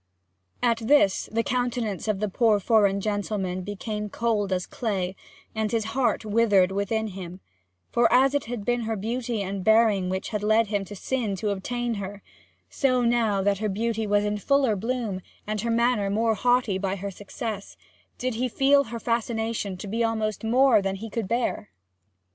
At this the countenance of the poor foreign gentleman became cold as clay, and his heart withered within him; for as it had been her beauty and bearing which had led him to sin to obtain her, so, now that her beauty was in fuller bloom, and her manner more haughty by her success, did he feel her fascination to be almost more than he could bear.